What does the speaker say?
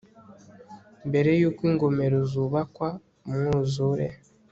mbere yuko ingomero zubakwa umwuzure